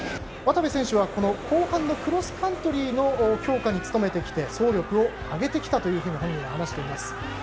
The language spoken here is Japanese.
渡部選手は後半のクロスカントリーの強化に努めてきて走力を上げてきたと本人は話しています。